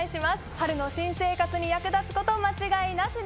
春の新生活に役立つこと間違いなしです。